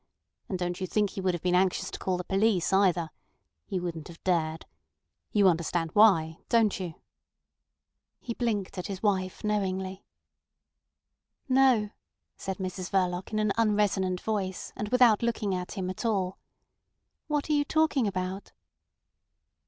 And don't you think he would have been anxious to call the police either. He wouldn't have dared. You understand why—don't you?" He blinked at his wife knowingly. "No," said Mrs Verloc in an unresonant voice, and without looking at him at all. "What are you talking about?"